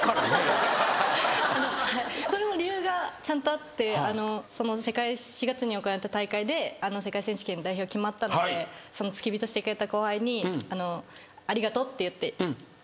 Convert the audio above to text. はいこれも理由がちゃんとあって４月に行われた大会で世界選手権の代表決まったのでその付き人してくれた後輩にありがとうって言って。